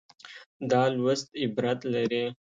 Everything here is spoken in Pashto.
دا لوست عبرت لري.